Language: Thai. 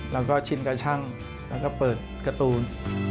แล้วก็ชิมกระชั่งแล้วก็เปิดการ์ตูน